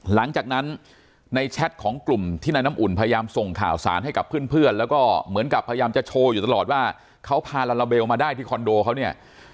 หลังจากนั้นในแชทของกลุ่มที่นายน้ำอุ่นพยายามส่งข่าวสารให้กับเพื่อนแล้วก็เหมือนกับพยายามจะโชว์อยู่ตลอดว่าเขาพาลาลาเบลมาได้ที่คอนโดเขาเนี่ย